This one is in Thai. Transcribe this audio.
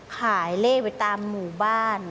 ขายเลขไปตามหมู่บ้าน